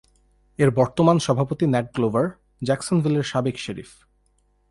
এর বর্তমান সভাপতি ন্যাট গ্লোভার, জ্যাকসনভিলের সাবেক শেরিফ।